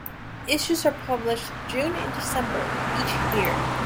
Issues are published June and December each year.